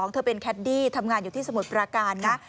เธอเป็นแคดดี้ทำงานอยู่ที่สมุทรปราการนะ